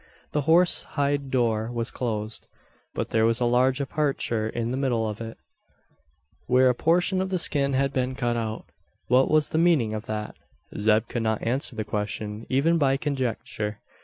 The horse hide door was closed; but there was a large aperture in the middle of it, where a portion of the skin had been cut out. What was the meaning of that? Zeb could not answer the question, even by conjecture.